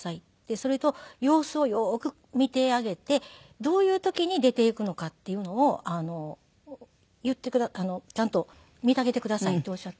「それと様子をよく見てあげてどういう時に出て行くのかっていうのをちゃんと見てあげてください」っておっしゃって。